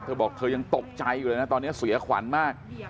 เธอบอกเธอยังตกใจอยู่เลยนะตอนนี้เสียขวัญมาก